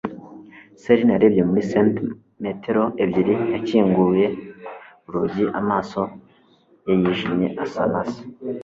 Selyn yarebye muri santimetero ebyiri yakinguye urugi, amaso ye yijimye asa na se.